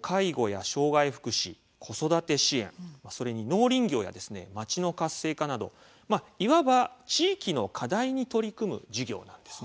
介護や障害福祉、子育て支援それに農林業や街の活性化などいわば地域の課題に取り組む事業なんです。